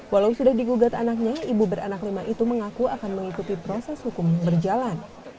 walau sudah digugat anaknya ibu beranak lima itu mengaku akan mengikuti proses hukum berjalan